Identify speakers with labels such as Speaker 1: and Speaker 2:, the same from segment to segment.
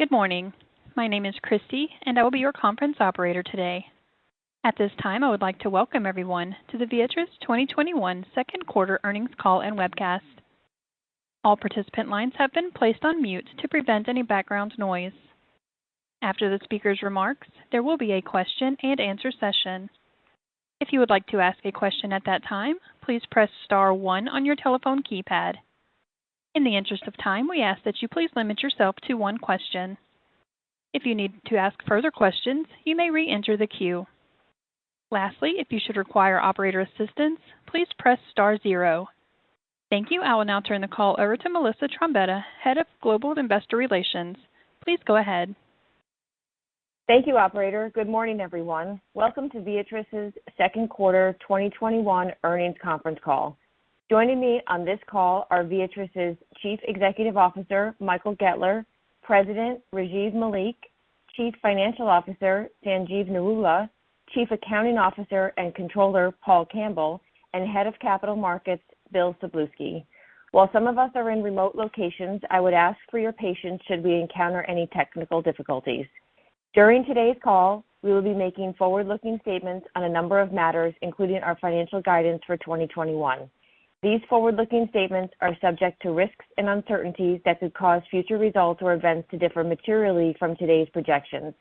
Speaker 1: Good morning. My name is Christy, and I will be your conference operator today. At this time, I would like to welcome everyone to the Viatris 2021 second quarter earnings call and webcast. All participant lines have been placed on mute to prevent any background noise. After the speaker's remarks, there will be a question-and-answer session. If you would like to ask a question at that time, please press star one on your telephone keypad. In the interest of time, we ask that you please limit yourself to one question. If you need to ask further questions, you may re-enter the queue. Lastly, if you should require operator assistance, please press star zero. Thank you. I'll now turn the call over to Melissa Trombetta, Head of Global Investor Relations. Please go ahead.
Speaker 2: Thank you, operator. Good morning, everyone. Welcome to Viatris' second quarter 2021 earnings conference call. Joining me on this call are Viatris' Chief Executive Officer, Michael Goettler; President, Rajiv Malik; Chief Financial Officer, Sanjeev Narula; Chief Accounting Officer and Controller, Paul Campbell; and Head of Capital Markets, Bill Szablewski. While some of us are in remote locations, I would ask for your patience should we encounter any technical difficulties. During today's call, we will be making forward-looking statements on a number of matters, including our financial guidance for 2021. These forward-looking statements are subject to risks and uncertainties that could cause future results or events to differ materially from today's projections.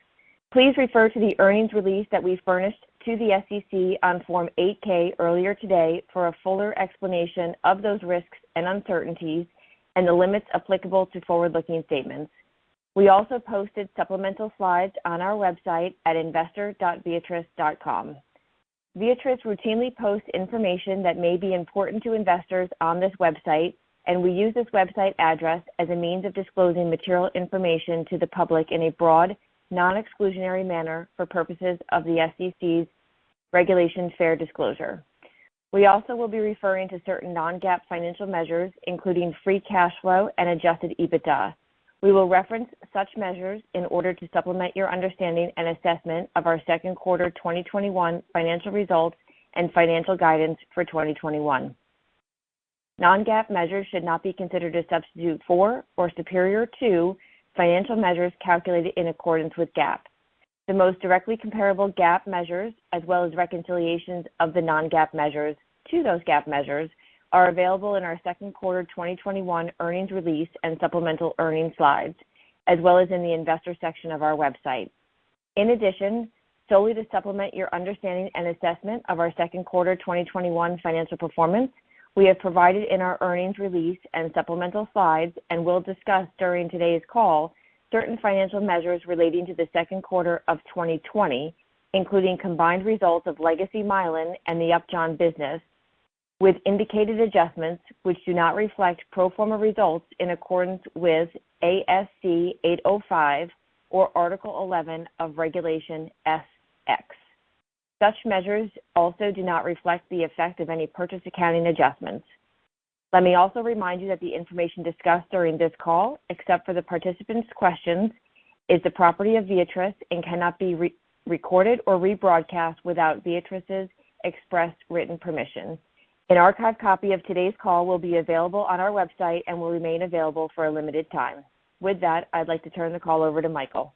Speaker 2: Please refer to the earnings release that we furnished to the SEC on Form 8-K earlier today for a fuller explanation of those risks and uncertainties and the limits applicable to forward-looking statements. We also posted supplemental slides on our website at investor.viatris.com. Viatris routinely posts information that may be important to investors on this website. We use this website address as a means of disclosing material information to the public in a broad, non-exclusionary manner for purposes of the SEC's Regulation Fair Disclosure. We also will be referring to certain non-GAAP financial measures, including free cash flow and adjusted EBITDA. We will reference such measures in order to supplement your understanding and assessment of our second quarter 2021 financial results and financial guidance for 2021. Non-GAAP measures should not be considered a substitute for or superior to financial measures calculated in accordance with GAAP. The most directly comparable GAAP measures, as well as reconciliations of the non-GAAP measures to those GAAP measures, are available in our second quarter 2021 earnings release and supplemental earnings slides, as well as in the investor section of our website. In addition, solely to supplement your understanding and assessment of our second quarter 2021 financial performance, we have provided in our earnings release and supplemental slides, and will discuss during today's call, certain financial measures relating to the second quarter of 2020, including combined results of Legacy Mylan and the Upjohn business with indicated adjustments which do not reflect pro forma results in accordance with ASC 805 or Article 11 of Regulation S-X. Such measures also do not reflect the effect of any purchase accounting adjustments. Let me also remind you that the information discussed during this call, except for the participants' questions, is the property of Viatris and cannot be recorded or rebroadcast without Viatris' express written permission. An archived copy of today's call will be available on our website and will remain available for a limited time. With that, I'd like to turn the call over to Michael.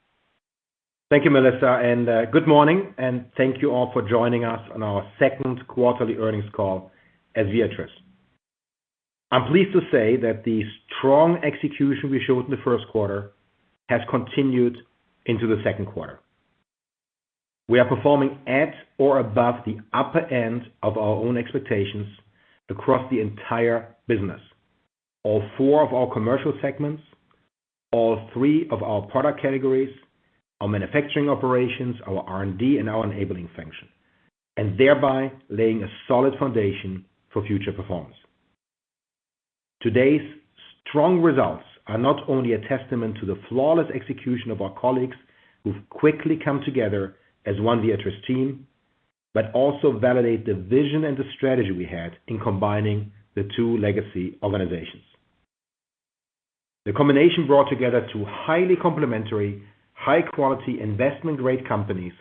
Speaker 3: Thank you, Melissa, and good morning, and thank you all for joining us on our second quarterly earnings call at Viatris. I'm pleased to say that the strong execution we showed in the first quarter has continued into the 2nd quarter. We are performing at or above the upper end of our own expectations across the entire business. All four of our commercial segments, all three of our product categories, our manufacturing operations, our R&D, and our enabling function, and thereby laying a solid foundation for future performance. Today's strong results are not only a testament to the flawless execution of our colleagues who've quickly come together as one Viatris team, but also validate the vision and the strategy we had in combining the two legacy organizations. The combination brought together two highly complementary, high-quality investment-grade companies,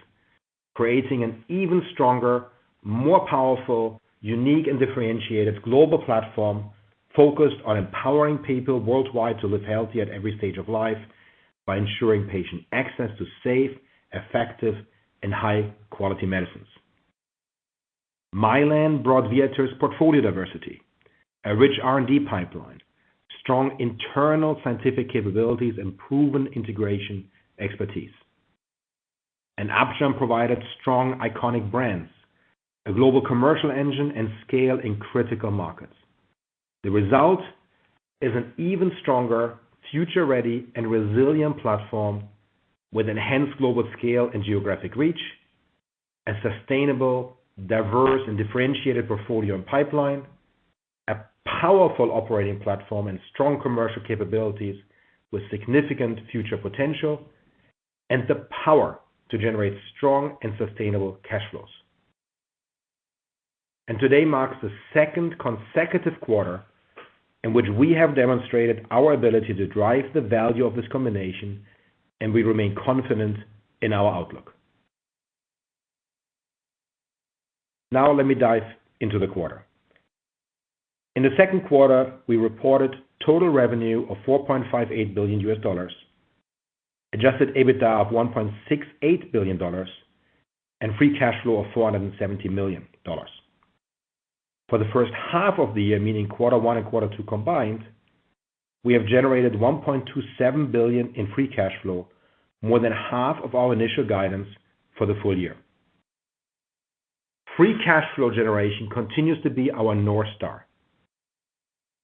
Speaker 3: creating an even stronger, more powerful, unique, and differentiated global platform focused on empowering people worldwide to live healthy at every stage of life by ensuring patient access to safe, effective, and high-quality medicines. Mylan brought Viatris portfolio diversity, a rich R&D pipeline, strong internal scientific capabilities, and proven integration expertise. Upjohn provided strong, iconic brands, a global commercial engine, and scale in critical markets. The result is an even stronger future-ready and resilient platform with enhanced global scale and geographic reach, a sustainable, diverse, and differentiated portfolio and pipeline, a powerful operating platform and strong commercial capabilities with significant future potential, and the power to generate strong and sustainable cash flows. Today marks the second consecutive quarter in which we have demonstrated our ability to drive the value of this combination, and we remain confident in our outlook. Now let me dive into the quarter. In the second quarter, we reported total revenue of $4.58 billion, adjusted EBITDA of $1.68 billion, and free cash flow of $470 million. For the first half of the year, meaning Q1 and Q2 combined, we have generated $1.27 billion in free cash flow, more than half of our initial guidance for the full year. Free cash flow generation continues to be our North Star.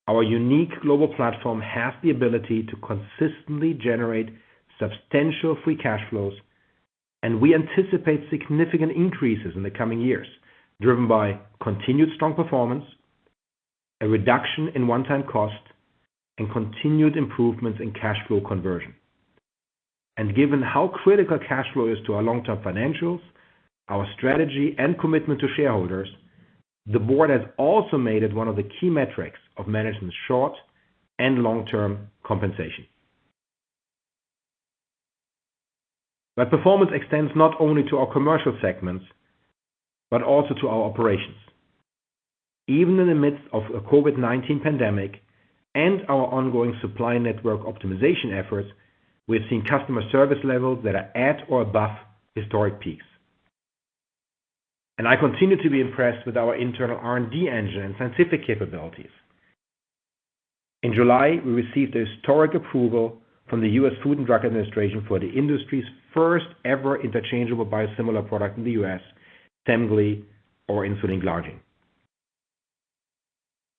Speaker 3: Our unique global platform has the ability to consistently generate substantial free cash flows, and we anticipate significant increases in the coming years, driven by continued strong performance, a reduction in one-time costs, and continued improvements in cash flow conversion. Given how critical cash flow is to our long-term financials, our strategy, and commitment to shareholders, the board has also made it one of the key metrics of management's short- and long-term compensation. That performance extends not only to our commercial segments, but also to our operations. Even in the midst of a COVID-19 pandemic and our ongoing supply network optimization efforts, we're seeing customer service levels that are at or above historic peaks. I continue to be impressed with our internal R&D engine and scientific capabilities. In July, we received a historic approval from the U.S. Food and Drug Administration for the industry's first ever interchangeable biosimilar product in the U.S., Semglee, or insulin glargine.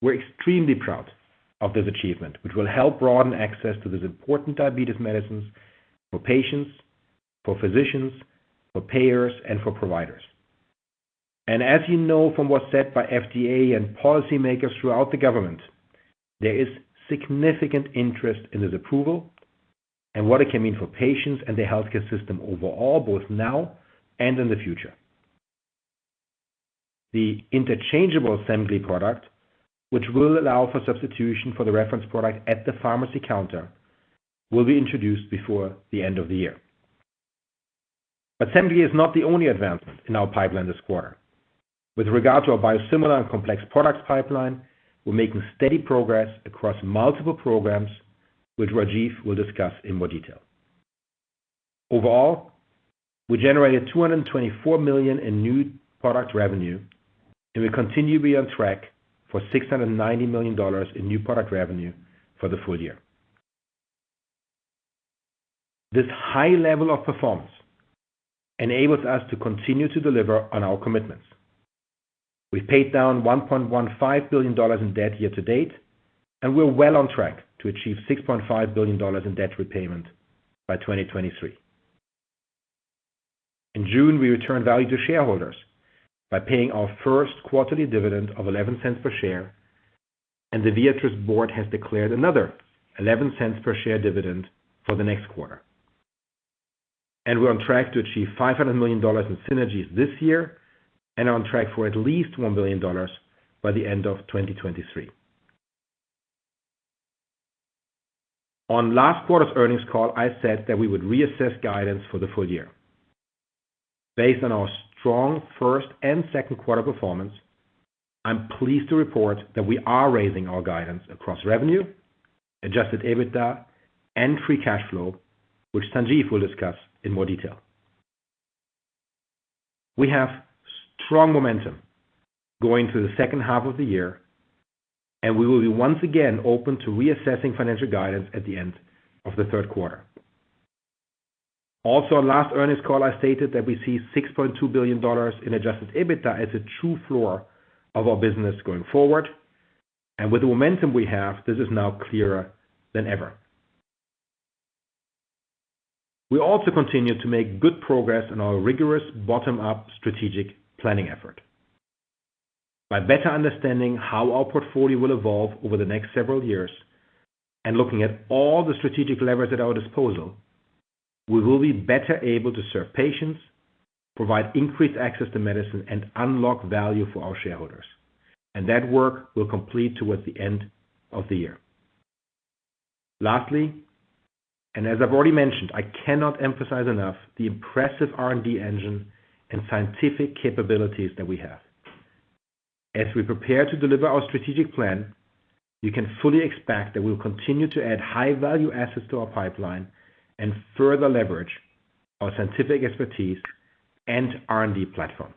Speaker 3: We're extremely proud of this achievement, which will help broaden access to these important diabetes medicines for patients, for physicians, for payers, and for providers. As you know from what's said by FDA and policymakers throughout the government, there is significant interest in this approval and what it can mean for patients and the healthcare system overall, both now and in the future. The interchangeable Semglee product, which will allow for substitution for the reference product at the pharmacy counter, will be introduced before the end of the year. Semglee is not the only advancement in our pipeline this quarter. With regard to our biosimilar and complex products pipeline, we're making steady progress across multiple programs, which Rajiv will discuss in more detail. Overall, we generated $224 million in new product revenue, and we continue to be on track for $690 million in new product revenue for the full year. This high level of performance enables us to continue to deliver on our commitments. We paid down $1.15 billion in debt year to date. We're well on track to achieve $6.5 billion in debt repayment by 2023. In June, we returned value to shareholders by paying our first quarterly dividend of $0.11 per share. The Viatris board has declared another $0.11 per share dividend for the next quarter. We're on track to achieve $500 million in synergies this year and are on track for at least $1 billion by the end of 2023. On last quarter's earnings call, I said that we would reassess guidance for the full year. Based on our strong first and second quarter performance, I'm pleased to report that we are raising our guidance across revenue, adjusted EBITDA, and free cash flow, which Sanjeev will discuss in more detail. We have strong momentum going through the second half of the year. We will be once again open to reassessing financial guidance at the end of the third quarter. Also, on last earnings call, I stated that we see $6.2 billion in adjusted EBITDA as a true floor of our business going forward. With the momentum we have, this is now clearer than ever. We also continue to make good progress in our rigorous bottom-up strategic planning effort. By better understanding how our portfolio will evolve over the next several years and looking at all the strategic levers at our disposal, we will be better able to serve patients, provide increased access to medicine, and unlock value for our shareholders. That work will complete towards the end of the year. Lastly, and as I've already mentioned, I cannot emphasize enough the impressive R&D engine and scientific capabilities that we have. As we prepare to deliver our strategic plan, you can fully expect that we'll continue to add high-value assets to our pipeline and further leverage our scientific expertise and R&D platform.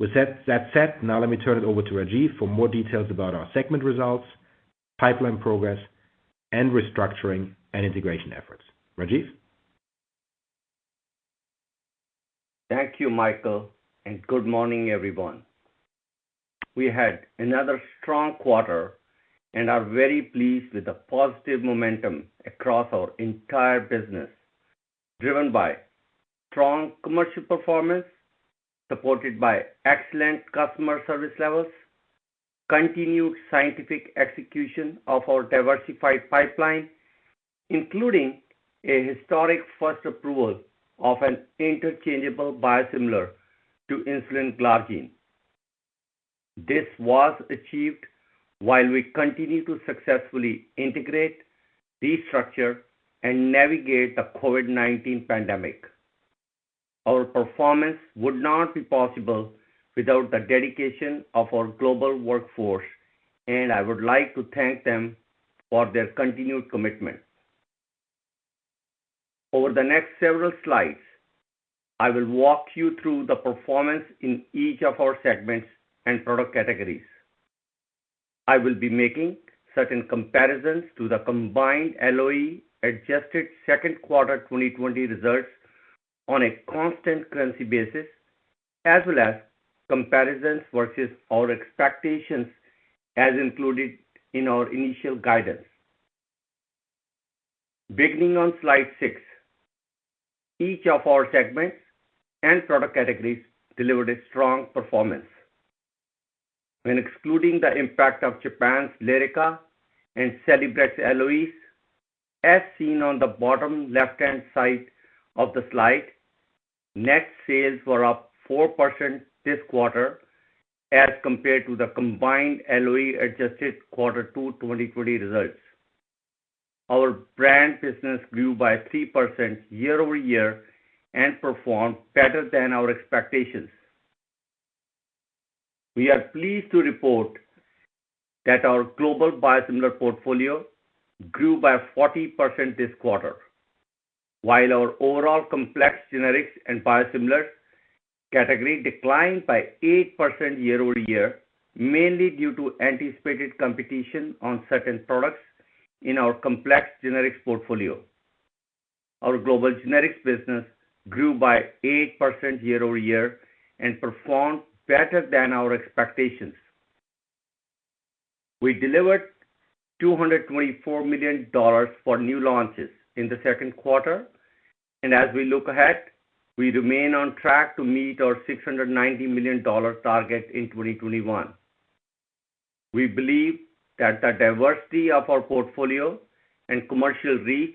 Speaker 3: With that said, now let me turn it over to Rajiv for more details about our segment results, pipeline progress, and restructuring and integration efforts. Rajiv?
Speaker 4: Thank you, Michael, and good morning, everyone. We had another strong quarter and are very pleased with the positive momentum across our entire business, driven by strong commercial performance, supported by excellent customer service levels, continued scientific execution of our diversified pipeline, including a historic first approval of an interchangeable biosimilar to insulin glargine. This was achieved while we continued to successfully integrate, restructure, and navigate the COVID-19 pandemic. Our performance would not be possible without the dedication of our global workforce, and I would like to thank them for their continued commitment. Over the next several slides, I will walk you through the performance in each of our segments and product categories. I will be making certain comparisons to the combined LOE-adjusted second quarter 2020 results on a constant currency basis, as well as comparisons versus our expectations as included in our initial guidance. Beginning on slide 6, each of our segments and product categories delivered a strong performance. When excluding the impact of Japan's Lyrica and Celebrex LOEs, as seen on the bottom left-hand side of the slide, net sales were up 4% this quarter as compared to the combined LOE-adjusted quarter two 2023 results. Our brand business grew by 3% year-over-year and performed better than our expectations. We are pleased to report that our global biosimilar portfolio grew by 40% this quarter, while our overall complex generics and biosimilars category declined by 8% year-over-year, mainly due to anticipated competition on certain products in our complex generics portfolio. Our global generics business grew by 8% year-over-year and performed better than our expectations. We delivered $224 million for new launches in the second quarter, and as we look ahead, we remain on track to meet our $690 million target in 2021. We believe that the diversity of our portfolio and commercial reach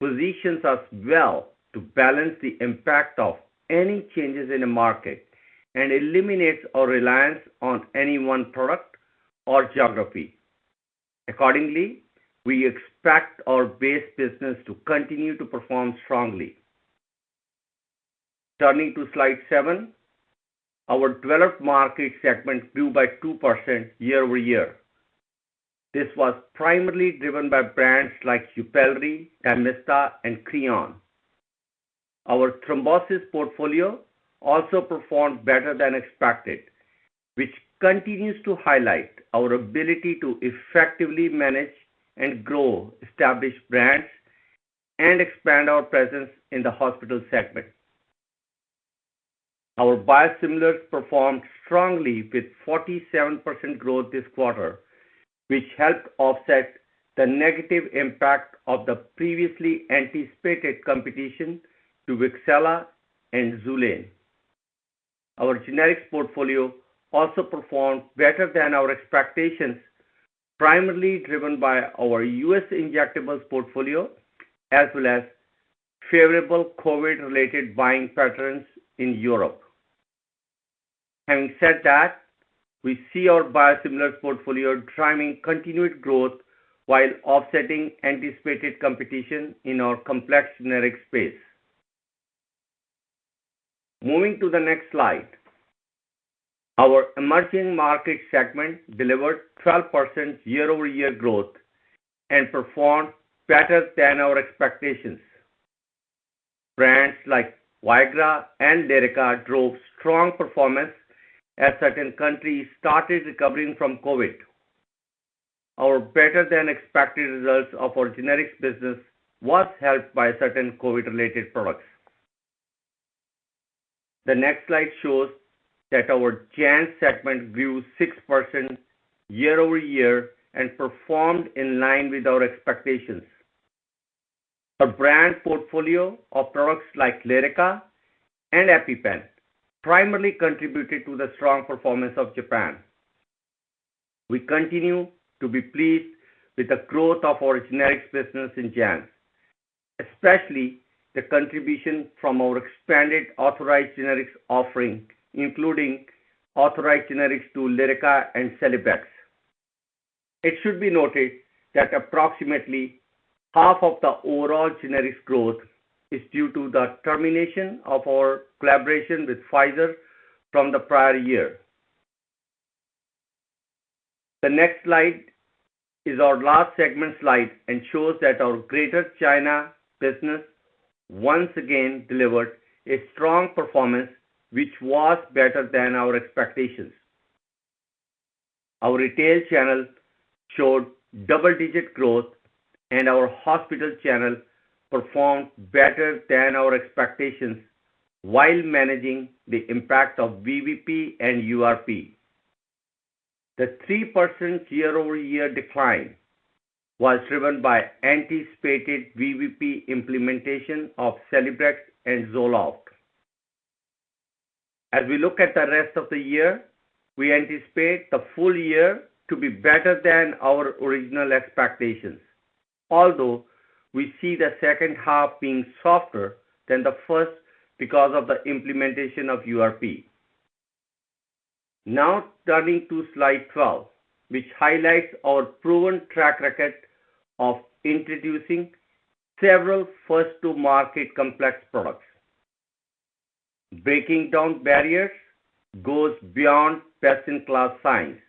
Speaker 4: positions us well to balance the impact of any changes in the market and eliminates our reliance on any one product or geography. Accordingly, we expect our base business to continue to perform strongly. Turning to slide 7, our developed market segment grew by 2% year-over-year. This was primarily driven by brands like YUPELRI, Dymista, and Creon. Our thrombosis portfolio also performed better than expected, which continues to highlight our ability to effectively manage and grow established brands and expand our presence in the hospital segment. Our biosimilars performed strongly with 47% growth this quarter, which helped offset the negative impact of the previously anticipated competition to Wixela and XULANE. Our generics portfolio also performed better than our expectations, primarily driven by our U.S. injectables portfolio, as well as favorable COVID-related buying patterns in Europe. Having said that, we see our biosimilars portfolio driving continued growth while offsetting anticipated competition in our complex generics space. Moving to the next slide, our emerging market segment delivered 12% year-over-year growth and performed better than our expectations. Brands like Viagra and Lyrica drove strong performance as certain countries started recovering from COVID. Our better-than-expected results of our generics business was helped by certain COVID-related products. The next slide shows that our JANZ segment grew 6% year-over-year and performed in line with our expectations. A brand portfolio of products like Lyrica and EpiPen primarily contributed to the strong performance of Japan. We continue to be pleased with the growth of our generics business in JANZ, especially the contribution from our expanded authorized generics offering, including authorized generics to Lyrica and Celebrex. It should be noted that approximately half of the overall generics growth is due to the termination of our collaboration with Pfizer from the prior year. The next slide is our last segment slide and shows that our Greater China business once again delivered a strong performance, which was better than our expectations. Our retail channel showed double-digit growth, and our hospital channel performed better than our expectations while managing the impact of VBP and URP. The 3% year-over-year decline was driven by anticipated VBP implementation of Celebrex and Zoloft. We look at the rest of the year, we anticipate the full year to be better than our original expectations. We see the second half being softer than the first because of the implementation of URP. Turning to slide 12, which highlights our proven track record of introducing several first-to-market complex products. Breaking down barriers goes beyond best-in-class science.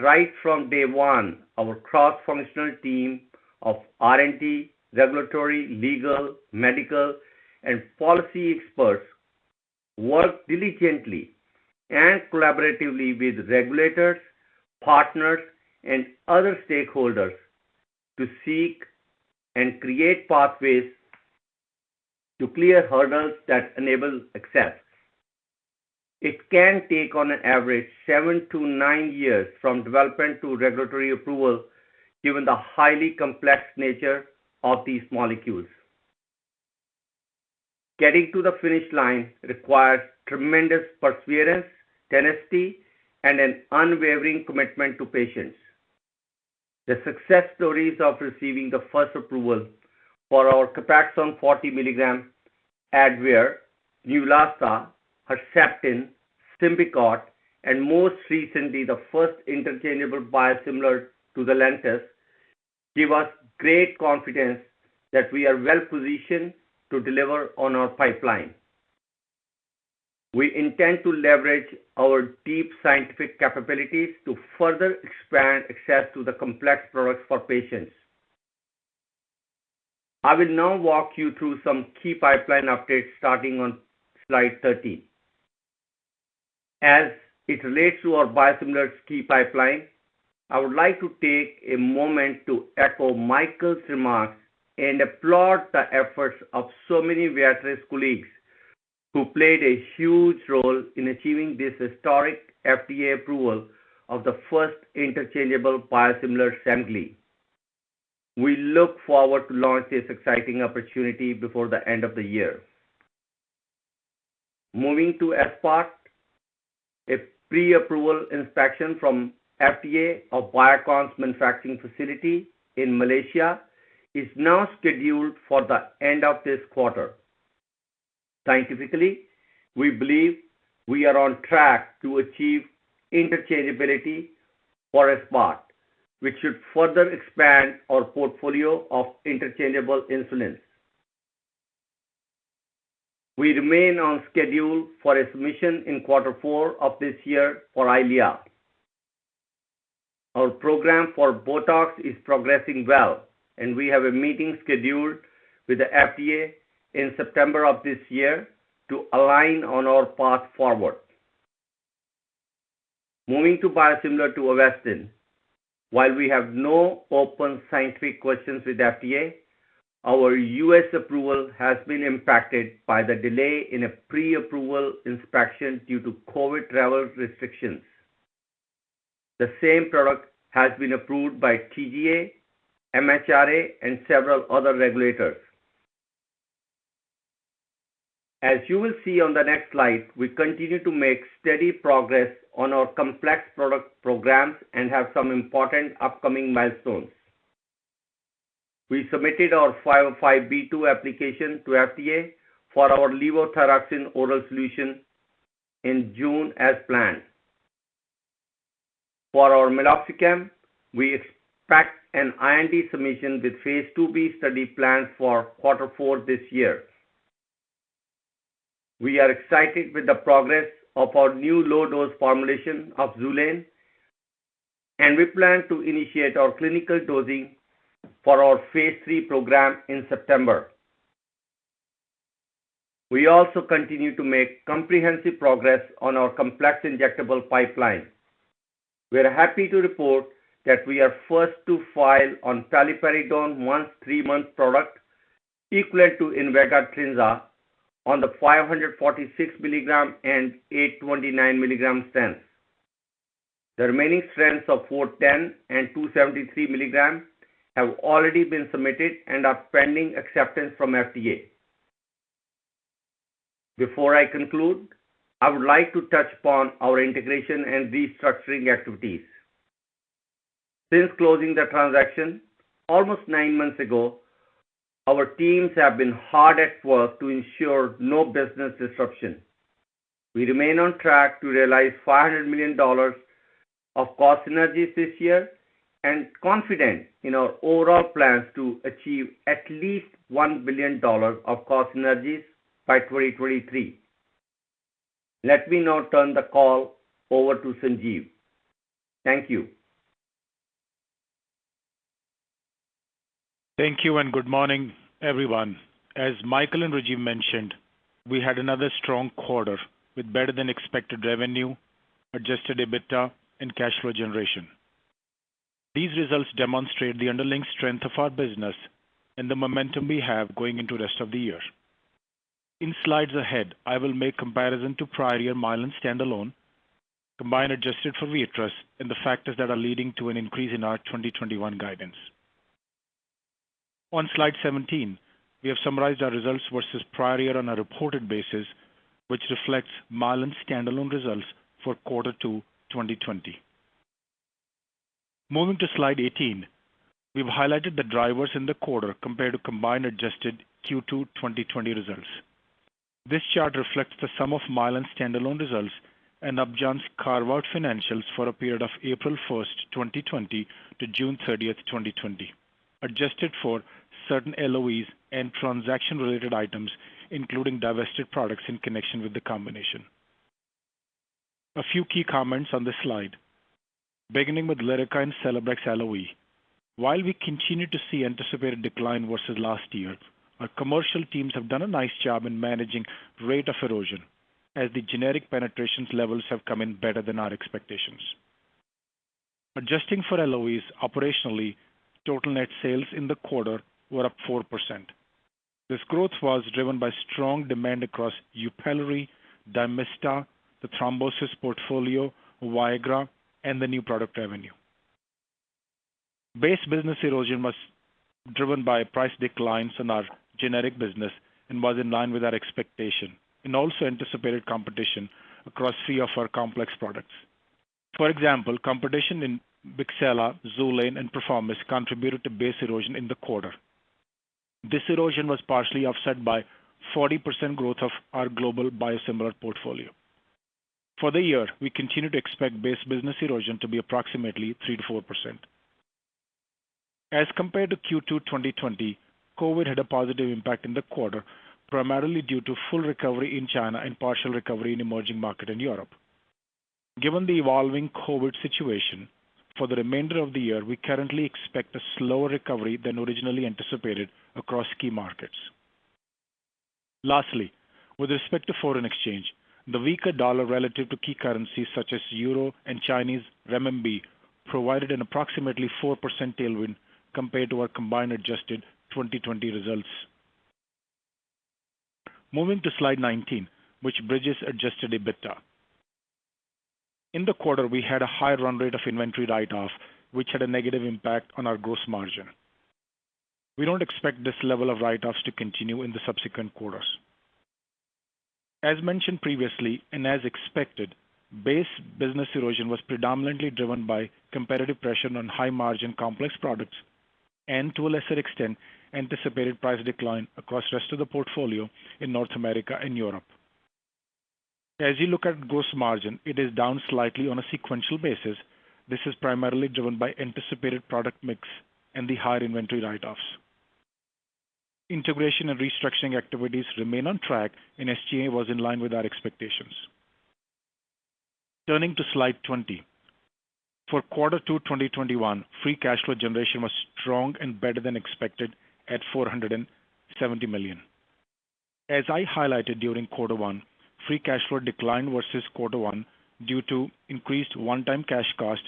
Speaker 4: Right from day one, our cross-functional team of R&D, regulatory, legal, medical, and policy experts work diligently and collaboratively with regulators, partners, and other stakeholders to seek and create pathways to clear hurdles that enable access. It can take, on average, seven to nine years from development to regulatory approval, given the highly complex nature of these molecules. Getting to the finish line requires tremendous perseverance, tenacity, and an unwavering commitment to patients. The success stories of receiving the first approval for our COPAXONE 40 mg, Advair, Neulasta, Herceptin, Symbicort, and most recently, the first interchangeable biosimilar to the LANTUS, give us great confidence that we are well-positioned to deliver on our pipeline. We intend to leverage our deep scientific capabilities to further expand access to the complex products for patients. I will now walk you through some key pipeline updates starting on slide 13. As it relates to our biosimilars key pipeline, I would like to take a moment to echo Michael's remarks and applaud the efforts of so many Viatris colleagues who played a huge role in achieving this historic FDA approval of the first interchangeable biosimilar Semglee. We look forward to launch this exciting opportunity before the end of the year. Moving to aspart, a pre-approval inspection from FDA of Biocon's manufacturing facility in Malaysia is now scheduled for the end of this quarter. Scientifically, we believe we are on track to achieve interchangeability for aspart, which should further expand our portfolio of interchangeable insulins. We remain on schedule for a submission in quarter four of this year for EYLEA. Our program for BOTOX is progressing well, and we have a meeting scheduled with the FDA in September of this year to align on our path forward. Moving to biosimilar to Avastin. While we have no open scientific questions with FDA, our U.S. approval has been impacted by the delay in a pre-approval inspection due to COVID travel restrictions. The same product has been approved by TGA, MHRA, and several other regulators. As you will see on the next slide, we continue to make steady progress on our complex product programs and have some important upcoming milestones. We submitted our 505 [2] application to FDA for our levothyroxine oral solution in June as planned. For our meloxicam, we expect an IND submission with phase II-B study planned for Q4 this year. We are excited with the progress of our new low-dose formulation of XULANE, and we plan to initiate our clinical dosing for our phase III program in September. We also continue to make comprehensive progress on our complex injectable pipeline. We are happy to report that we are first to file on paliperidone once-3-month product equivalent to INVEGA TRINZA on the 546 mg and 829 mg strengths. The remaining strengths of 410 mg and 273 mg have already been submitted and are pending acceptance from FDA. Before I conclude, I would like to touch upon our integration and restructuring activities. Since closing the transaction almost nine months ago, our teams have been hard at work to ensure no business disruption. We remain on track to realize $500 million of cost synergies this year and confident in our overall plans to achieve at least $1 billion of cost synergies by 2023. Let me now turn the call over to Sanjeev. Thank you.
Speaker 5: Thank you. Good morning, everyone. As Michael and Rajiv mentioned, we had another strong quarter with better-than-expected revenue, adjusted EBITDA, and cash flow generation. These results demonstrate the underlying strength of our business and the momentum we have going into rest of the year. In slides ahead, I will make comparison to prior year Mylan standalone, combined adjusted for Viatris, and the factors that are leading to an increase in our 2021 guidance. On slide 17, we have summarized our results versus prior year on a reported basis, which reflects Mylan standalone results for quarter two 2020. Moving to slide 18, we've highlighted the drivers in the quarter compared to combined adjusted Q2 2020 results. This chart reflects the sum of Mylan standalone results and Upjohn's carve-out financials for a period of April 1st, 2020 to June 30th, 2020, adjusted for certain LOEs and transaction-related items, including divested products in connection with the combination. A few key comments on this slide, beginning with Lyrica and Celebrex LOE. While we continue to see anticipated decline versus last year, our commercial teams have done a nice job in managing rate of erosion as the generic penetrations levels have come in better than our expectations. Adjusting for LOEs operationally, total net sales in the quarter were up 4%. This growth was driven by strong demand across YUPELRI, DYMISTA, the thrombosis portfolio, Viagra, and the new product revenue. Base business erosion was driven by price declines in our generic business and was in line with our expectation and also anticipated competition across three of our complex products. For example, competition in Wixela Inhub, XULANE, and PERFOROMIST contributed to base erosion in the quarter. This erosion was partially offset by 40% growth of our global biosimilar portfolio. For the year, we continue to expect base business erosion to be approximately 3%-4%. As compared to Q2 2020, COVID had a positive impact in the quarter, primarily due to full recovery in China and partial recovery in emerging market in Europe. Given the evolving COVID situation, for the remainder of the year, we currently expect a slower recovery than originally anticipated across key markets. Lastly, with respect to foreign exchange, the weaker dollar relative to key currencies such as euro and Chinese renminbi provided an approximately 4% tailwind compared to our combined adjusted 2020 results. Moving to slide 19, which bridges adjusted EBITDA. In the quarter, we had a higher run rate of inventory write-off, which had a negative impact on our gross margin. We don't expect this level of write-offs to continue in the subsequent quarters. As mentioned previously and as expected, base business erosion was predominantly driven by competitive pressure on high-margin complex products and, to a lesser extent, anticipated price decline across rest of the portfolio in North America and Europe. As you look at gross margin, it is down slightly on a sequential basis. This is primarily driven by anticipated product mix and the higher inventory write-offs. Integration and restructuring activities remain on track, and SG&A was in line with our expectations. Turning to slide 20. For Q2 2021, free cash flow generation was strong and better than expected at $470 million. As I highlighted during quarter one, free cash flow declined versus quarter one due to increased one-time cash cost,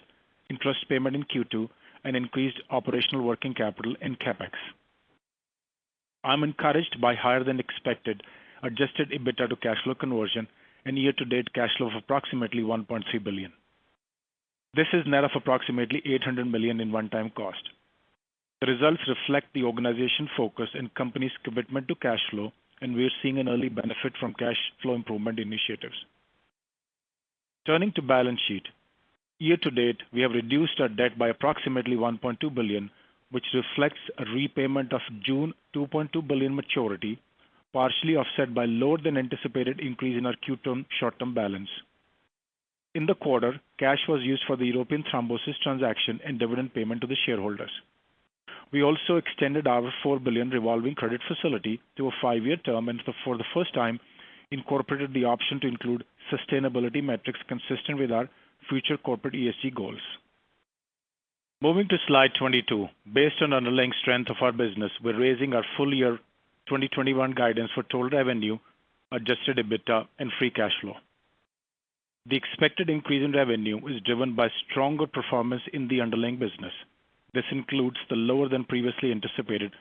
Speaker 5: interest payment in Q2, and increased operational working capital and CapEx. I'm encouraged by higher-than-expected adjusted EBITDA to cash flow conversion and year-to-date cash flow of approximately $1.3 billion. This is net of approximately $800 million in one-time cost. The results reflect the organization focus and company's commitment to cash flow, and we are seeing an early benefit from cash flow improvement initiatives. Turning to balance sheet. Year to date, we have reduced our debt by approximately $1.2 billion, which reflects a repayment of June $2.2 billion maturity, partially offset by lower-than-anticipated increase in our Q term short-term balance. In the quarter, cash was used for the European thrombosis transaction and dividend payment to the shareholders. We also extended our $4 billion revolving credit facility to a five-year term and, for the first time, incorporated the option to include sustainability metrics consistent with our future corporate ESG goals. Moving to slide 22. Based on underlying strength of our business, we're raising our full year 2021 guidance for total revenue, adjusted EBITDA, and free cash flow. The expected increase in revenue is driven by stronger performance in the underlying business. This includes the lower than previously anticipated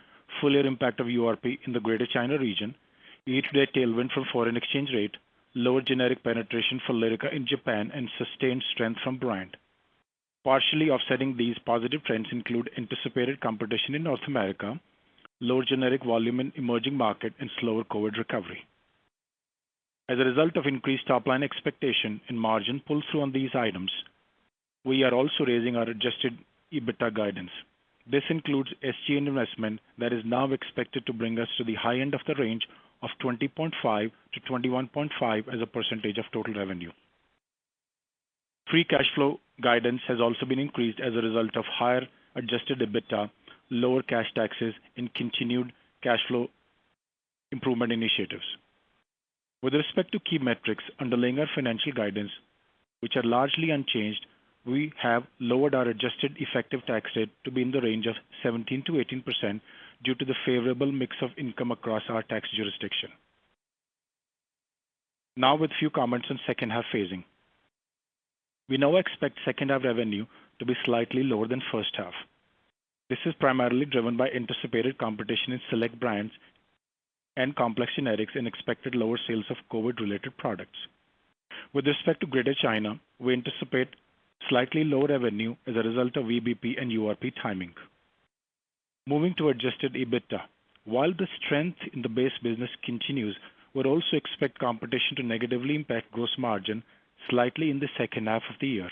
Speaker 5: full year impact of URP in the Greater China region, year-to-date tailwind from foreign exchange rate, lower generic penetration for Lyrica in Japan, and sustained strength from brand. Partially offsetting these positive trends include anticipated competition in North America, lower generic volume in emerging market, and slower COVID recovery. As a result of increased top-line expectation and margin pull-through on these items, we are also raising our adjusted EBITDA guidance. This includes SG&A investment that is now expected to bring us to the high end of the range of 20.5%-21.5% as a percentage of total revenue. Free cash flow guidance has also been increased as a result of higher adjusted EBITDA, lower cash taxes, and continued cash flow improvement initiatives. With respect to key metrics underlying our financial guidance, which are largely unchanged, we have lowered our adjusted effective tax rate to be in the range of 17%-18% due to the favorable mix of income across our tax jurisdiction. With few comments on second half phasing. We now expect second half revenue to be slightly lower than first half. This is primarily driven by anticipated competition in select brands and complex generics and expected lower sales of COVID-related products. With respect to Greater China, we anticipate slightly lower revenue as a result of VBP and URP timing. Moving to adjusted EBITDA. While the strength in the base business continues, we'd also expect competition to negatively impact gross margin slightly in the second half of the year.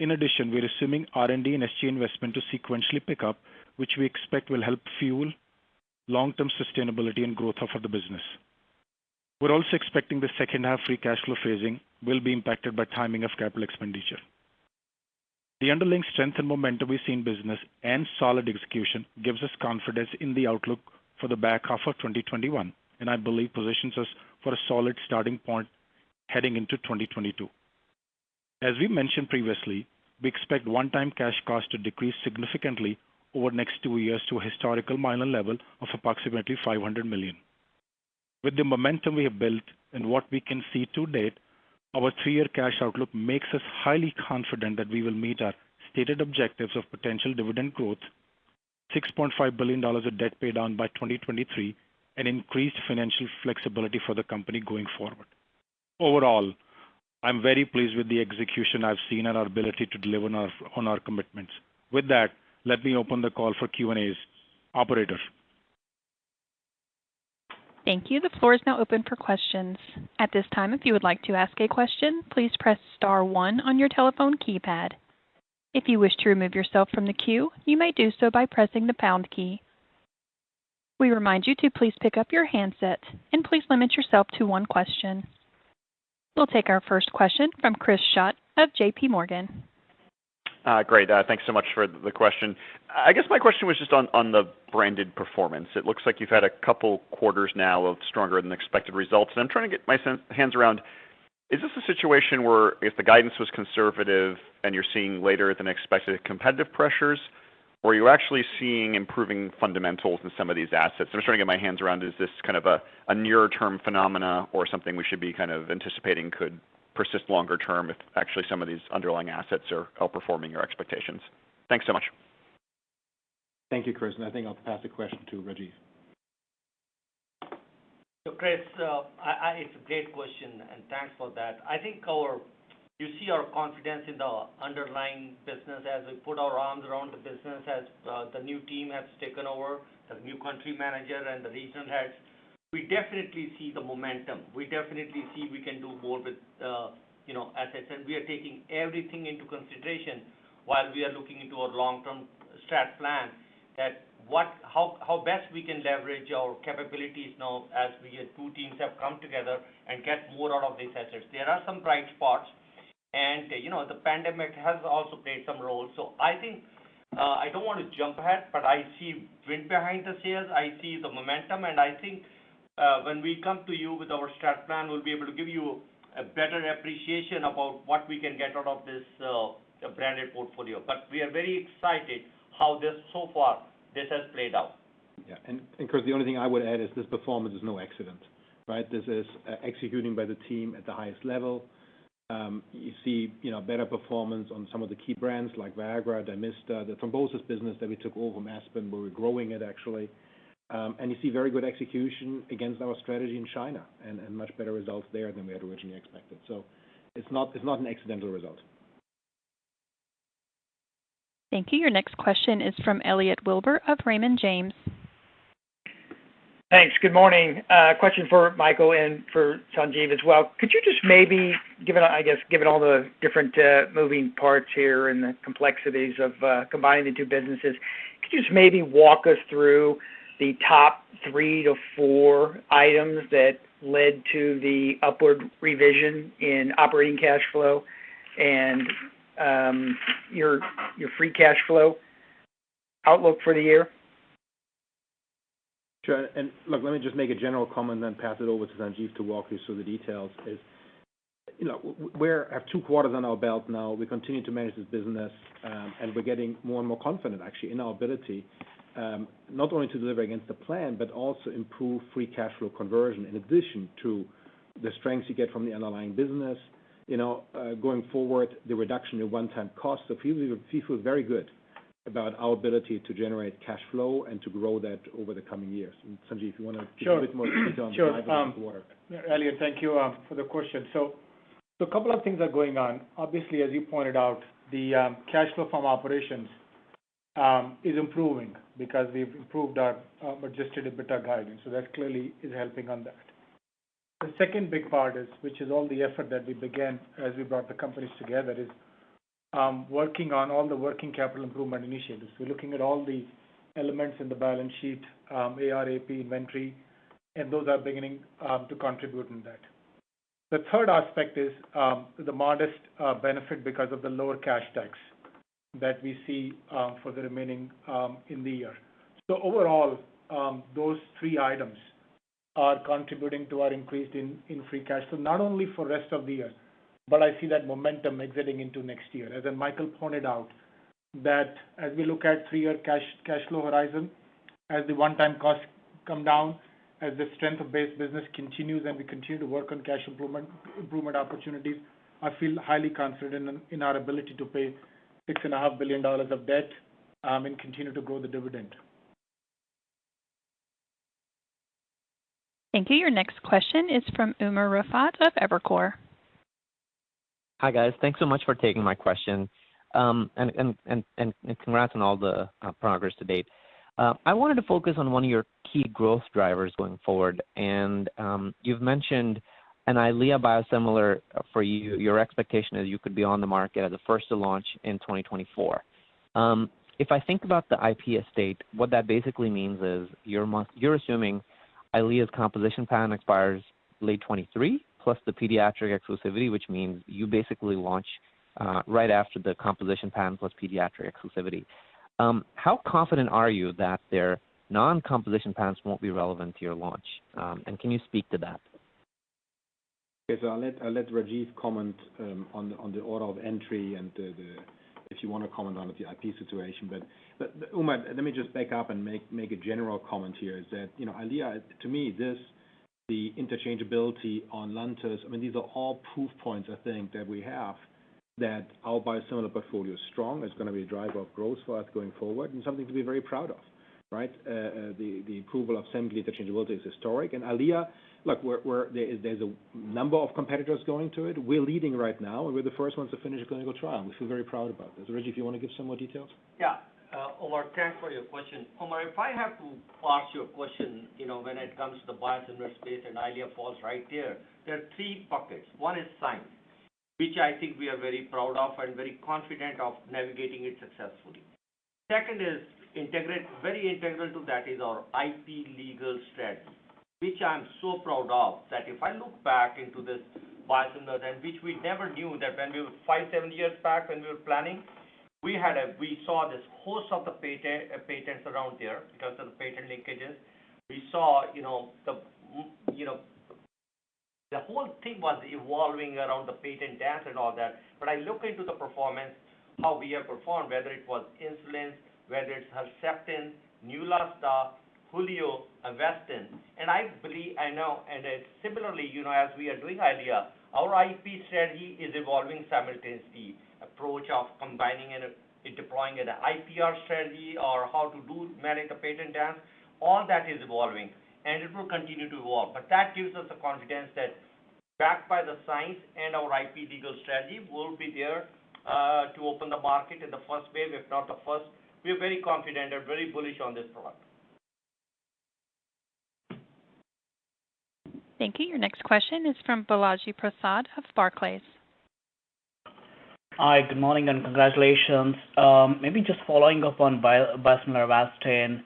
Speaker 5: In addition, we're assuming R&D and SG&A investment to sequentially pick up, which we expect will help fuel long-term sustainability and growth of the business. We're also expecting the second half free cash flow phasing will be impacted by timing of capital expenditure. The underlying strength and momentum we see in business and solid execution gives us confidence in the outlook for the back half of 2021. I believe positions us for a solid starting point heading into 2022. As we mentioned previously, we expect one-time cash cost to decrease significantly over the next two years to a historical Mylan level of approximately $500 million. With the momentum we have built and what we can see to date, our three-year cash outlook makes us highly confident that we will meet our stated objectives of potential dividend growth, $6.5 billion of debt pay down by 2023, and increased financial flexibility for the company going forward. Overall, I'm very pleased with the execution I've seen and our ability to deliver on our commitments. With that, let me open the call for Q&As. Operator?
Speaker 1: Thank you. The floor is now open for questions. At this time, if you would like to ask questions, please press star one on your telephone keypad. If you wish to remove yourself from the queue, you might do so by pressing the pound key. We remind you to please pick up your handsets and please limit yourself to one question. We'll take our first question from Chris Schott of JPMorgan.
Speaker 6: Great. Thanks so much for the question. I guess my question was just on the branded performance. It looks like you've had a couple quarters now of stronger than expected results, and I'm trying to get my hands around, is this a situation where if the guidance was conservative and you're seeing later than expected competitive pressures, or are you actually seeing improving fundamentals in some of these assets? I'm just trying to get my hands around, is this kind of a nearer term phenomena or something we should be anticipating could persist longer term if actually some of these underlying assets are outperforming your expectations? Thanks so much.
Speaker 5: Thank you, Chris, and I think I'll pass the question to Rajiv.
Speaker 4: Chris, it's a great question, and thanks for that. I think you see our confidence in the underlying business as we put our arms around the business, as the new team has taken over, the new country manager and the regional heads. We definitely see the momentum. We definitely see we can do more. As I said, we are taking everything into consideration while we are looking into our long-term strat plan that how best we can leverage our capabilities now as we as two teams have come together and get more out of these assets. There are some bright spots, and the pandemic has also played some role. I think, I don't want to jump ahead, but I see wind behind the sails. I see the momentum, I think, when we come to you with our strat plan, we'll be able to give you a better appreciation about what we can get out of this branded portfolio. We are very excited how this, so far, this has played out.
Speaker 5: Yeah. Chris, the only thing I would add is this performance is no accident, right? This is executing by the team at the highest level. You see better performance on some of the key brands like Viagra, DYMISTA, the thrombosis business that we took over, Aspen, where we're growing it actually. You see very good execution against our strategy in China and much better results there than we had originally expected. It's not an accidental result.
Speaker 1: Thank you. Your next question is from Elliot Wilbur of Raymond James.
Speaker 7: Thanks. Good morning. A question for Michael and for Sanjeev as well. Could you just maybe, I guess given all the different moving parts here and the complexities of combining the two businesses, could you just maybe walk us through the top three to four items that led to the upward revision in operating cash flow and your free cash flow outlook for the year?
Speaker 3: Sure, look, let me just make a general comment then pass it over to Sanjeev to walk you through the details is we have two quarters under our belt now. We continue to manage this business, and we're getting more and more confident, actually, in our ability, not only to deliver against the plan, but also improve free cash flow conversion in addition to the strengths you get from the underlying business. Going forward, the reduction in one-time costs. Feel very good about our ability to generate cash flow and to grow that over the coming years. Sanjeev, if you want to give a bit more detail on the drivers.
Speaker 5: Sure. Elliot, thank you for the question. A couple of things are going on. As you pointed out, the cash flow from operations is improving because we've improved our adjusted EBITDA guidance, that clearly is helping on that. The second big part is, which is all the effort that we began as we brought the companies together, is working on all the working capital improvement initiatives. We're looking at all the elements in the balance sheet, AR, AP, inventory, those are beginning to contribute in that. The third aspect is the modest benefit because of the lower cash tax that we see for the remaining in the year. Overall, those three items are contributing to our increase in free cash flow, not only for rest of the year, but I see that momentum exiting into next year. As Michael pointed out, as we look at three-year cash flow horizon, as the one-time costs come down, as the strength of base business continues, and we continue to work on cash improvement opportunities, I feel highly confident in our ability to pay $6.5 billion of debt and continue to grow the dividend.
Speaker 1: Thank you. Your next question is from Umer Raffat of Evercore.
Speaker 8: Hi, guys. Thanks so much for taking my question. Congrats on all the progress to date. I wanted to focus on one of your key growth drivers going forward. You've mentioned an EYLEA biosimilar for you, your expectation is you could be on the market as a first to launch in 2024. If I think about the IP estate, what that basically means is you're assuming EYLEA's composition patent expires late 2023, plus the pediatric exclusivity, which means you basically launch right after the composition patent plus pediatric exclusivity. How confident are you that their non-composition patents won't be relevant to your launch? Can you speak to that?
Speaker 3: I'll let Rajiv comment on the order of entry and if you want to comment on the IP situation. Umer, let me just back up and make a general comment here is that, Eylea, to me, this, the interchangeability on LANTUS, these are all proof points, I think, that we have that our biosimilar portfolio is strong. It's going to be a driver of growth for us going forward, and something to be very proud of, right? The approval of Semglee interchangeability is historic. Eylea, look, there's a number of competitors going to it. We're leading right now. We're the first ones to finish a clinical trial, and we feel very proud about this. Rajiv, you want to give some more details?
Speaker 4: Yeah. Umar, thanks for your question. Umar, if I have to parse your question, when it comes to the biosimilar space, and EYLEA falls right there are three buckets. One is science, which I think we are very proud of and very confident of navigating it successfully. Second is very integral to that is our IP legal strategy, which I'm so proud of, that if I look back into this biosimilar then, which we never knew that when we were five, seven years back when we were planning, we saw this host of the patents around there because of the patent linkages. We saw the whole thing was evolving around the patent dance and all that. I look into the performance, how we have performed, whether it was insulin, whether it's Herceptin, Neulasta, HULIO, Avastin. I believe, I know, similarly, as we are doing EYLEA, our IP strategy is evolving simultaneously. Approach of combining it and deploying it, the IPR strategy or how to manage the patent dance, all that is evolving, and it will continue to evolve. That gives us the confidence that backed by the science and our IP legal strategy, we'll be there to open the market in the first wave, if not the first. We are very confident and very bullish on this product.
Speaker 1: Thank you. Your next question is from Balaji Prasad of Barclays.
Speaker 9: Hi, good morning and congratulations. Maybe just following up on biosimilar Avastin.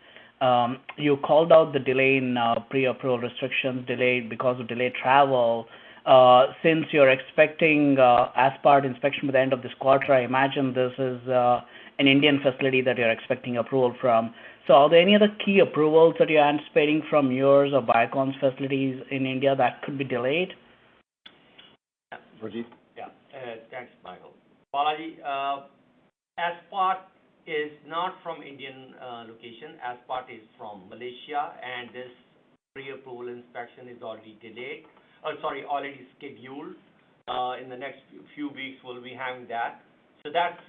Speaker 9: You called out the delay in pre-approval restrictions delayed because of delayed travel. Since you're expecting aspart inspection by the end of this quarter, I imagine this is an Indian facility that you're expecting approval from. Are there any other key approvals that you're anticipating from yours or Biocon's facilities in India that could be delayed?
Speaker 3: Rajiv?
Speaker 4: Yeah. Thanks, Michael. Balaji, aspart is not from Indian location. aspart is from Malaysia, this pre-approval inspection is already scheduled. In the next few weeks, we'll be having that. That's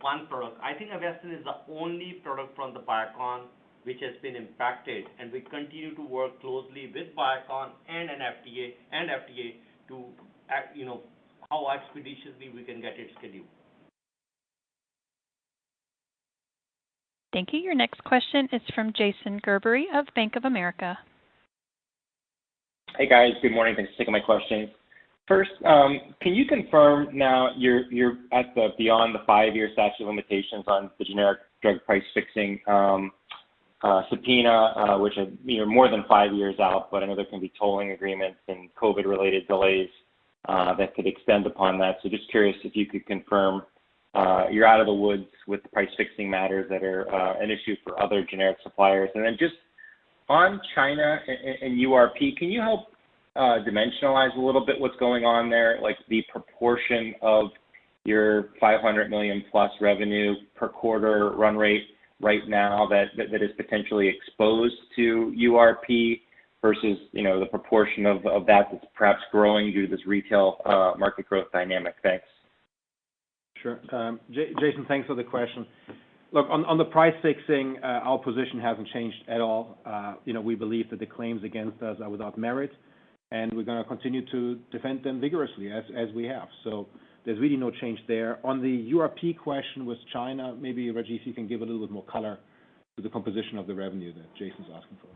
Speaker 4: one product. I think Avastin is the only product from the Biocon which has been impacted. We continue to work closely with Biocon and FDA to how expeditiously we can get it scheduled.
Speaker 1: Thank you. Your next question is from Jason Gerberry of Bank of America.
Speaker 10: Hey, guys. Good morning. Thanks for taking my question. First, can you confirm now you're at the beyond the five-year statute of limitations on the generic drug price fixing subpoena, which is more than five years out, but I know there can be tolling agreements and COVID-related delays that could extend upon that. Just curious if you could confirm you're out of the woods with the price fixing matters that are an issue for other generic suppliers. Just on China and URP, can you help dimensionalize a little bit what's going on there, like the proportion of your $500 million+ revenue per quarter run rate right now that is potentially exposed to URP versus the proportion of that that's perhaps growing due to this retail market growth dynamic? Thanks.
Speaker 3: Sure. Jason, thanks for the question. Look, on the price fixing, our position hasn't changed at all. We believe that the claims against us are without merit, and we're going to continue to defend them vigorously as we have. There's really no change there. On the URP question with China, maybe, Rajiv, you can give a little bit more color to the composition of the revenue that Jason's asking for.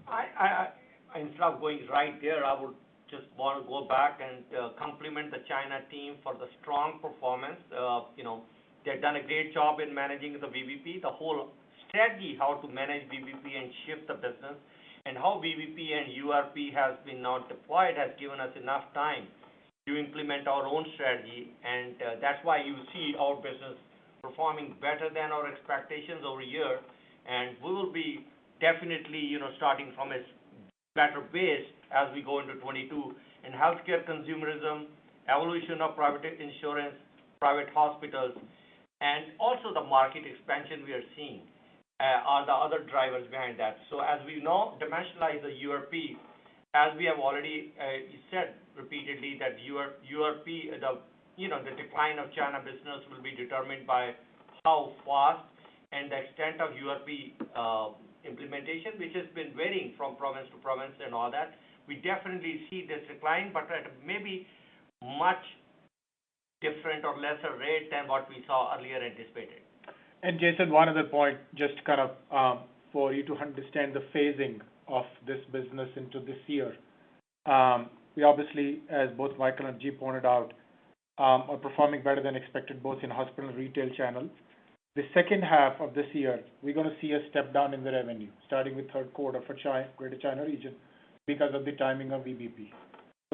Speaker 4: Instead of going right there, I would just want to go back and compliment the China team for the strong performance. They've done a great job in managing the VBP, the whole strategy how to manage VBP and shift the business, how VBP and URP has been not deployed has given us enough time to implement our own strategy, and that's why you see our business performing better than our expectations over a year. We will be definitely starting from a better base as we go into 2022. Healthcare consumerism, evolution of private insurance, private hospitals, and also the market expansion we are seeing are the other drivers behind that. As we now dimensionalize the URP, as we have we said repeatedly that URP, the decline of China business will be determined by how fast and the extent of URP implementation, which has been varying from province to province and all that. We definitely see this decline, but at maybe much different or lesser rate than what we saw earlier anticipated.
Speaker 5: Jason, one other point just for you to understand the phasing of this business into this year. We obviously, as both Mike and Rajiv pointed out, are performing better than expected, both in hospital and retail channels. The second half of this year, we're going to see a step down in the revenue, starting with third quarter for Greater China region because of the timing of VBP.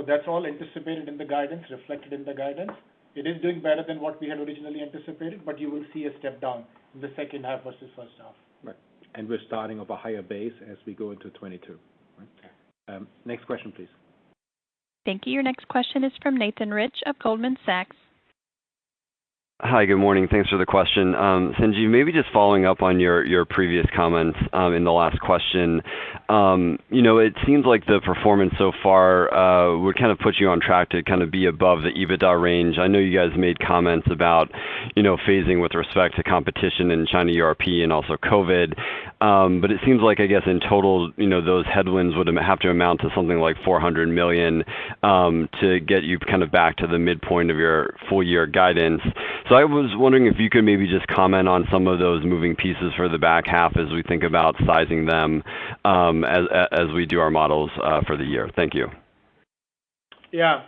Speaker 5: That's all anticipated in the guidance, reflected in the guidance. It is doing better than what we had originally anticipated, you will see a step down in the second half versus first half.
Speaker 3: Right. We're starting off a higher base as we go into 2022.
Speaker 5: Yeah.
Speaker 3: Next question, please.
Speaker 1: Thank you. Your next question is from Nathan Rich of Goldman Sachs.
Speaker 11: Hi, good morning. Thanks for the question. Sanjeev, maybe just following up on your previous comments in the last question. It seems like the performance so far would put you on track to be above the EBITDA range. I know you guys made comments about phasing with respect to competition in China URP and also COVID. It seems like, I guess in total, those headwinds would have to amount to something like $400 million to get you back to the midpoint of your full year guidance. I was wondering if you could maybe just comment on some of those moving pieces for the back half as we think about sizing them as we do our models for the year. Thank you.
Speaker 5: Yeah.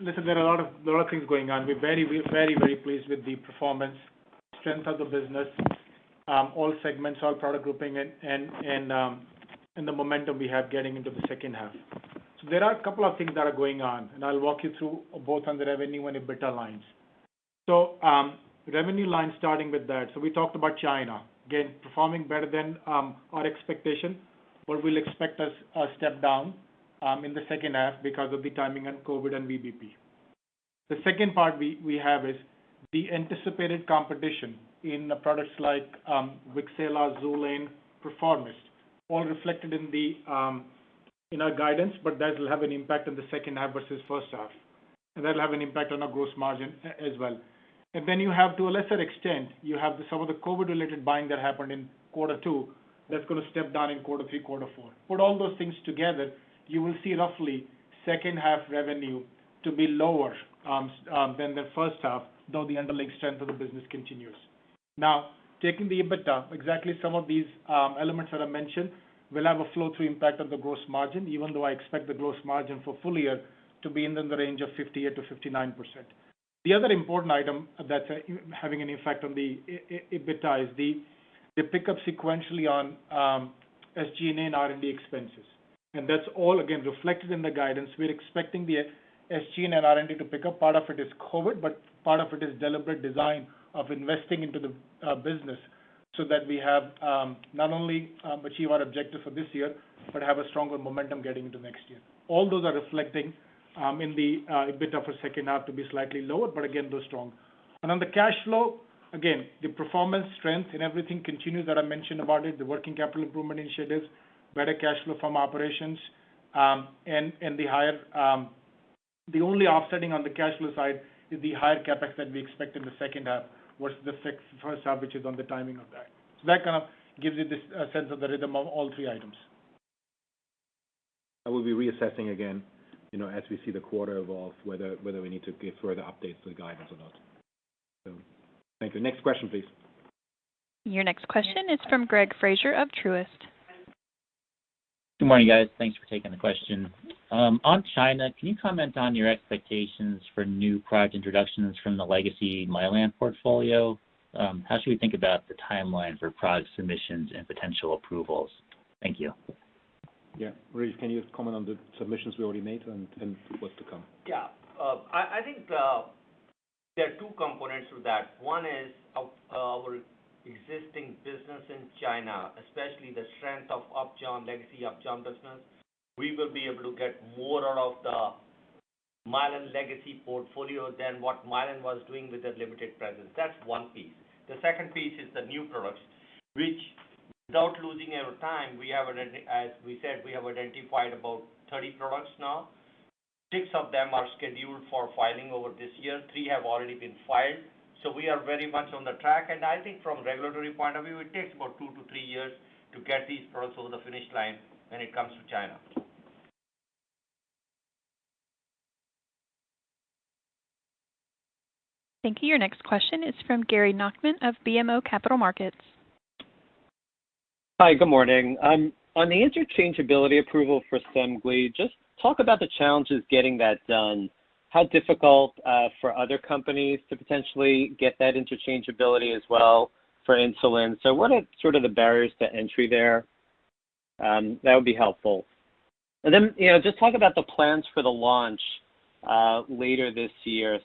Speaker 5: Listen, there are a lot of things going on. We're very pleased with the performance, strength of the business, all segments, all product grouping and the momentum we have getting into the second half. There are a couple of things that are going on, and I'll walk you through both on the revenue and EBITDA lines. Revenue line starting with that. We talked about China, again, performing better than our expectation, but we'll expect a step down in the second half because of the timing on COVID and VBP. The second part we have is the anticipated competition in the products like Wixela, XULANE, PERFOROMIST, all reflected in our guidance, but that will have an impact on the second half versus first half. That will have an impact on our gross margin as well. You have, to a lesser extent, you have some of the COVID-related buying that happened in quarter two, that's going to step down in quarter three, quarter four. Put all those things together, you will see roughly second half revenue to be lower than the first half, though the underlying strength of the business continues. Taking the EBITDA, exactly some of these elements that I mentioned will have a flow through impact on the gross margin, even though I expect the gross margin for full year to be in the range of 58%-59%. The other important item that's having an effect on the EBITDA is the pick up sequentially on SG&A and R&D expenses. That's all, again, reflected in the guidance. We're expecting the SG&A and R&D to pick up. Part of it is COVID, but part of it is deliberate design of investing into the business so that we have not only achieve our objective for this year, but have a stronger momentum getting into next year. All those are reflecting in the EBITDA for second half to be slightly lower, but again, though strong. On the cash flow, again, the performance strength and everything continues that I mentioned about it, the working capital improvement initiatives, better cash flow from operations. The only offsetting on the cash flow side is the higher CapEx that we expect in the second half versus the first half, which is on the timing of that. That kind of gives you the sense of the rhythm of all three items.
Speaker 3: We'll be reassessing again, as we see the quarter evolve, whether we need to give further updates to the guidance or not. Thank you. Next question, please.
Speaker 1: Your next question is from Greg Fraser of Truist.
Speaker 12: Good morning, guys. Thanks for taking the question. On China, can you comment on your expectations for new product introductions from the Legacy Mylan portfolio? How should we think about the timeline for product submissions and potential approvals? Thank you.
Speaker 3: Yeah. Raj, can you comment on the submissions we already made and what's to come?
Speaker 4: Yeah. I think there are two components to that. One is our existing business in China, especially the strength of Upjohn, legacy Upjohn business. We will be able to get more out of the Mylan legacy portfolio than what Mylan was doing with their limited presence. That's one piece. The second piece is the new products, which without losing any time, as we said, we have identified about 30 products now. Six of them are scheduled for filing over this year. Three have already been filed. We are very much on the track. I think from regulatory point of view, it takes about two to three years to get these products over the finish line when it comes to China.
Speaker 1: Thank you. Your next question is from Gary Nachman of BMO Capital Markets.
Speaker 13: Hi, good morning. On the interchangeability approval for Semglee, just talk about the challenges getting that done. How difficult for other companies to potentially get that interchangeability as well for insulin. What are sort of the barriers to entry there? That would be helpful. Just talk about the plans for the launch later this year.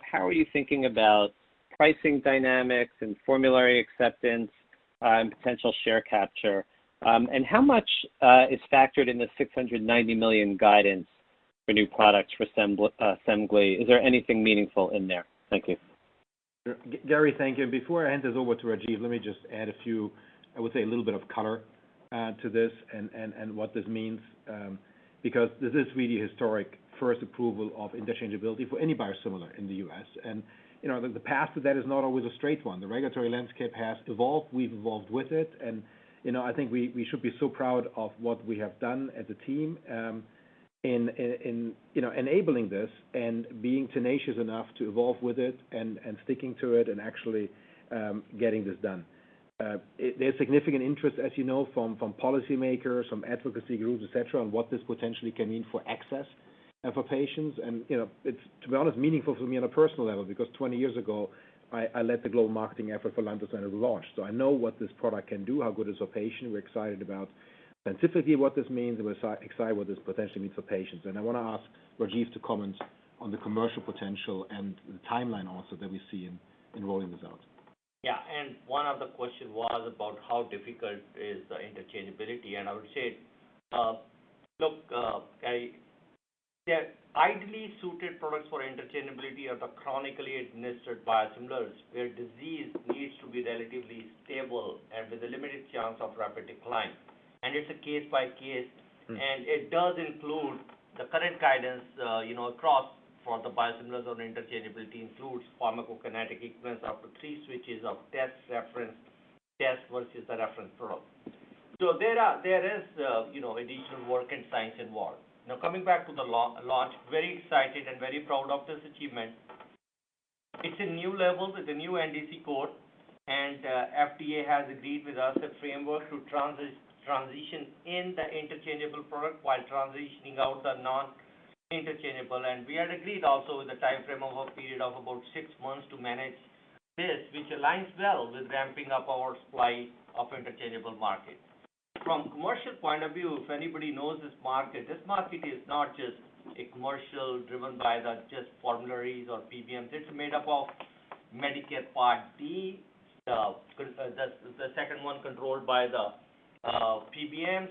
Speaker 13: How are you thinking about pricing dynamics and formulary acceptance and potential share capture? How much is factored in the $690 million guidance for new products for Semglee? Is there anything meaningful in there? Thank you.
Speaker 3: Gary, thank you. Before I hand this over to Rajiv, let me just add, I would say, a little bit of color to this and what this means, because this is really historic, first approval of interchangeability for any biosimilar in the U.S. The path to that is not always a straight one. The regulatory landscape has evolved. We've evolved with it, and I think we should be so proud of what we have done as a team in enabling this and being tenacious enough to evolve with it and sticking to it and actually getting this done. There's significant interest, as you know, from policymakers, from advocacy groups, et cetera, on what this potentially can mean for access for patients. It's, to be honest, meaningful for me on a personal level because 20 years ago, I led the global marketing effort for lanreotide at launch. I know what this product can do, how good is for patient. We're excited about specifically what this means, and we're excited what this potentially means for patients. I want to ask Rajiv to comment on the commercial potential and the timeline also that we see in rolling this out.
Speaker 4: Yeah. One of the questions was about how difficult is the interchangeability. I would say, look, Gary, that ideally suited products for interchangeability are the chronically administered biosimilars, where disease needs to be relatively stable and with a limited chance of rapid decline. It's a case by case. It does include the current guidance across for the biosimilars on interchangeability includes pharmacokinetic equivalence after three switches of test versus the reference product. There is additional work and science involved. Coming back to the launch, very excited and very proud of this achievement. It's a new level, it's a new NDC code, and FDA has agreed with us a framework to transition in the interchangeable product while transitioning out the non-interchangeable. We had agreed also with the timeframe of a period of about six months to manage this, which aligns well with ramping up our supply of interchangeable market. From commercial point of view, if anybody knows this market, this market is not just a commercial driven by the just formularies or PBMs. It's made up of Medicare Part B. The second one controlled by the PBMs,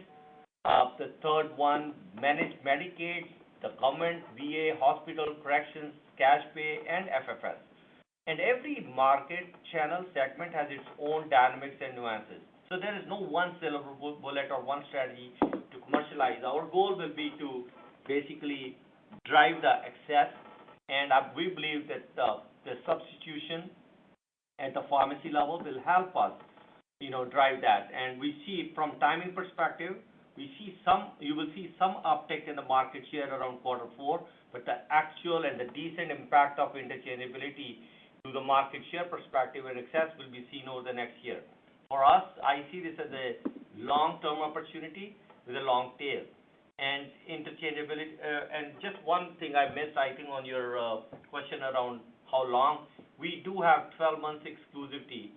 Speaker 4: the third one managed Medicaid, the government, VA, hospital, corrections, cash pay, and FFS. Every market channel segment has its own dynamics and nuances. There is no one silver bullet or one strategy to commercialize. Our goal will be to basically drive the access, and we believe that the substitution at the pharmacy level will help us drive that. We see it from timing perspective. You will see some uptick in the market share around quarter four, but the actual and the decent impact of interchangeability to the market share perspective and access will be seen over the next year. For us, I see this as a long-term opportunity with a long tail. Just one thing I missed, I think on your question around how long, we do have 12 months exclusivity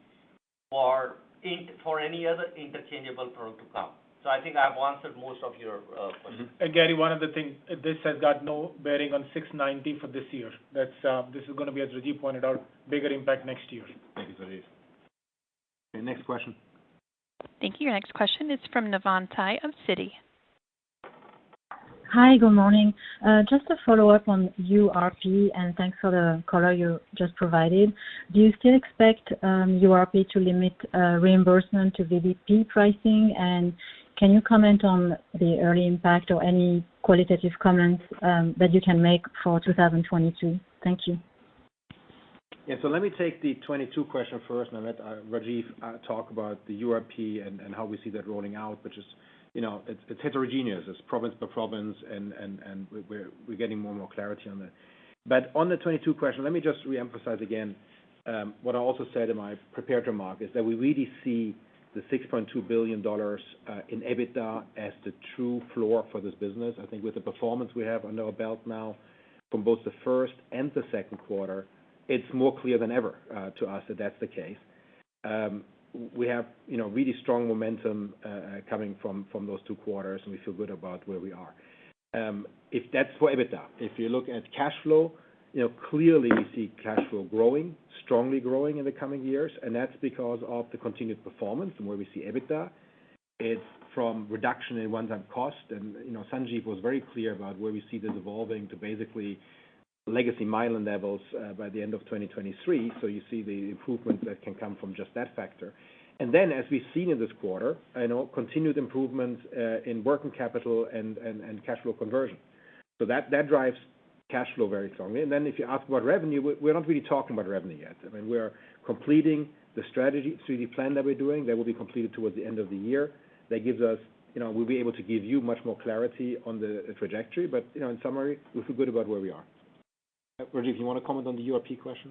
Speaker 4: for any other interchangeable product to come. I think I have answered most of your questions.
Speaker 5: Gary Nachman, one of the things, this has got no bearing on $690 for this year. This is going to be, as Rajiv Malik pointed out, bigger impact next year.
Speaker 3: Thank you, Rajiv. Okay, next question.
Speaker 1: Thank you. Your next question is from Navann Ty of Citi.
Speaker 14: Hi. Good morning. Just a follow-up on URP, and thanks for the color you just provided. Do you still expect URP to limit reimbursement to VBP pricing? Can you comment on the early impact or any qualitative comments that you can make for 2022? Thank you.
Speaker 3: Yeah. Let me take the 2022 question first, and I'll let Rajiv talk about the URP and how we see that rolling out, which is heterogeneous. It's province per province, and we're getting more and more clarity on that. On the 2022 question, let me just reemphasize again, what I also said in my prepared remark is that we really see the $6.2 billion in EBITDA as the true floor for this business. I think with the performance we have under our belt now from both the first and the second quarter, it's more clear than ever to us that that's the case. We have really strong momentum coming from those two quarters, and we feel good about where we are. If that's for EBITDA. If you look at cash flow, clearly we see cash flow growing, strongly growing in the coming years, and that's because of the continued performance and where we see EBITDA. It's from reduction in one-time cost. Sanjeev was very clear about where we see this evolving to basically Legacy Mylan levels by the end of 2023. You see the improvement that can come from just that factor. As we've seen in this quarter, continued improvement in working capital and cash flow conversion. That drives cash flow very strongly. If you ask about revenue, we're not really talking about revenue yet. We're completing the strategy through the plan that we're doing. That will be completed towards the end of the year. We'll be able to give you much more clarity on the trajectory. In summary, we feel good about where we are. Rajiv, you want to comment on the URP question?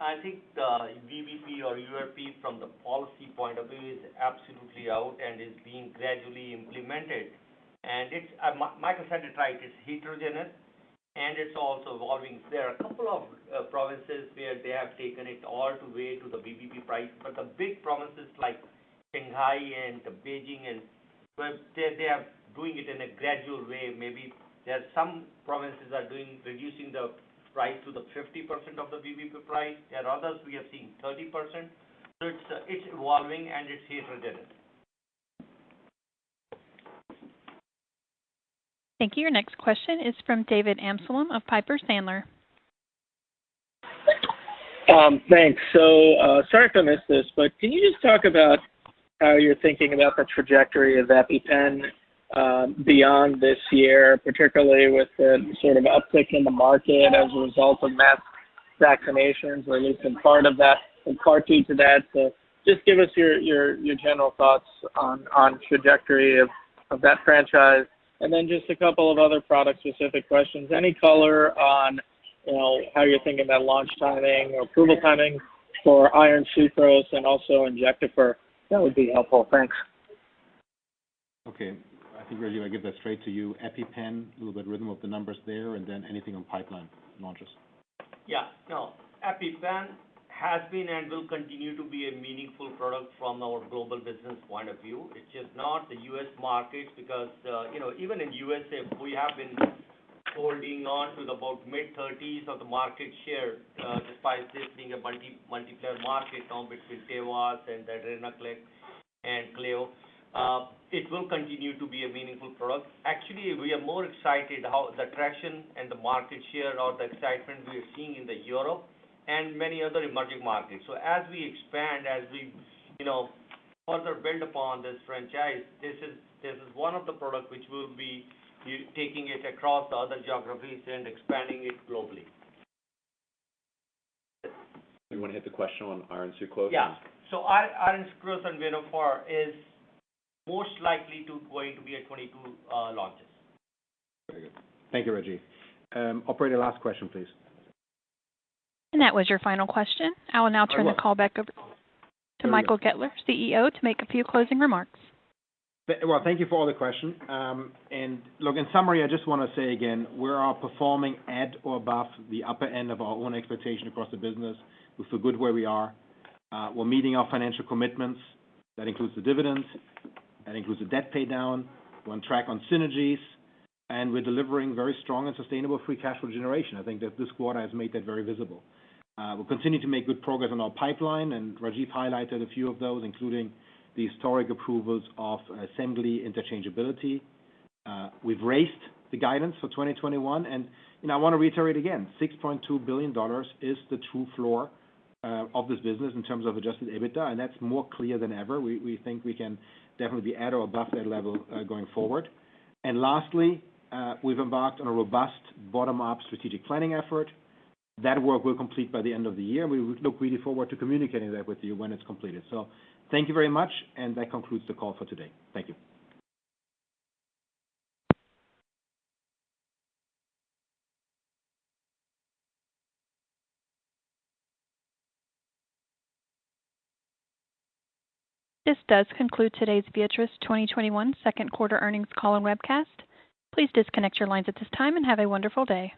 Speaker 4: I think the VBP or URP from the policy point of view is absolutely out and is being gradually implemented. Microenvironment is heterogeneous, and it's also evolving. There are a couple of provinces where they have taken it all the way to the VBP price, but the big provinces like Shanghai and Beijing, they are doing it in a gradual way. Maybe there are some provinces are doing, reducing the price to the 50% of the VBP price. There are others we are seeing 30%. It's evolving, and it's heterogeneous.
Speaker 1: Thank you. Your next question is from David Amsellem of Piper Sandler.
Speaker 15: Thanks. Sorry if I missed this, can you just talk about how you're thinking about the trajectory of EpiPen beyond this year, particularly with the sort of uptick in the market as a result of mass vaccinations, or at least in part due to that? Just give us your general thoughts on trajectory of that franchise. Just a couple of other product-specific questions. Any color on how you're thinking about launch timing or approval timing for iron sucrose and also INJECTAFER? That would be helpful. Thanks.
Speaker 3: Okay. I think, Rajiv, I give that straight to you. EpiPen, a little bit rhythm of the numbers there, and then anything on pipeline launches.
Speaker 4: Yeah. No. EpiPen has been and will continue to be a meaningful product from our global business point of view. It's just not the U.S. market because even in U.S., we have been holding on to about mid-30s of the market share, despite this being a multi-player market now between AUVI-Q and Adrenaclick and Clio. It will continue to be a meaningful product. Actually, we are more excited how the traction and the market share or the excitement we are seeing in the Europe and many other emerging markets. As we expand, as we further build upon this franchise, this is one of the products which we'll be taking it across other geographies and expanding it globally.
Speaker 3: You want to hit the question on iron sucrose?
Speaker 4: Yeah. iron sucrose and INJECTAFER is most likely going to be a 2022 launch.
Speaker 3: Very good. Thank you, Rajiv. Operator, last question, please.
Speaker 1: That was your final question. I will now turn the call back over to Michael Goettler, CEO, to make a few closing remarks.
Speaker 3: Well, thank you for all the questions. Look, in summary, I just want to say again, we are performing at or above the upper end of our own expectation across the business. We feel good where we are. We're meeting our financial commitments. That includes the dividends, that includes the debt paydown. We're on track on synergies, and we're delivering very strong and sustainable free cash flow generation. I think that this quarter has made that very visible. We'll continue to make good progress on our pipeline, and Rajiv highlighted a few of those, including the historic approvals of Semglee interchangeability. We've raised the guidance for 2021, and I want to reiterate again, $6.2 billion is the true floor of this business in terms of adjusted EBITDA, and that's more clear than ever. We think we can definitely be at or above that level going forward. Lastly, we've embarked on a robust bottom-up strategic planning effort. That work will complete by the end of the year. We look really forward to communicating that with you when it's completed. Thank you very much, and that concludes the call for today. Thank you.
Speaker 1: This does conclude today's Viatris 2021 second quarter earnings call and webcast. Please disconnect your lines at this time and have a wonderful day.